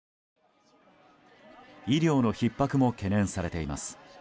医療のひっ迫も懸念されています。